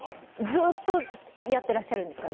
ずーっとやってらっしゃるんですか？